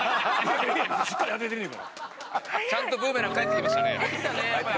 ちゃんとブーメラン返ってきましたね。